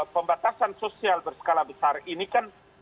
pembatasan sosial berskala besar ini kan